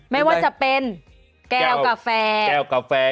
ไม่ว่าจะเป็นแก้วกาแฟ